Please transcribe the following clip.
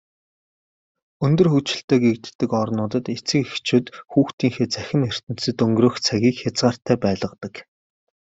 Өндөр хөгжилтэй гэгддэг орнуудад эцэг эхчүүд хүүхдүүдийнхээ цахим ертөнцөд өнгөрөөх цагийг хязгаартай байлгадаг.